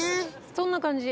そんな感じ。